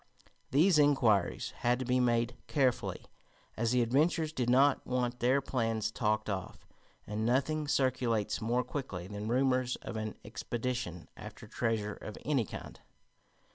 These inquiries had to be made carefully, as the adventurers did not want their plans talked of, and nothing circulates more quickly than rumors of an expedition after treasure of any kind.